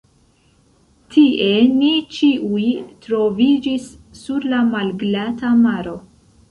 Tie ni ĉiuj troviĝis, sur la malglata maro!